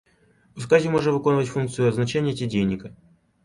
У сказе можа выконваць функцыю азначэння ці дзейніка.